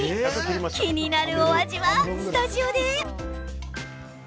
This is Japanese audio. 気になるお味はスタジオで。